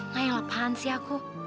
gak yang lapahan sih aku